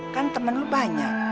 kan temen lu banyak